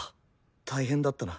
大変だったな。